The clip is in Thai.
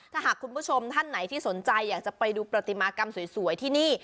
ถ้าหากคุณผู้ชมท่านไหนที่สนใจอยากจะไปดูปฏิมากรรมสวยที่นี่